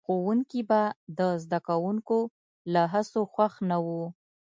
ښوونکي به د زده کوونکو له هڅو خوښ نه وو.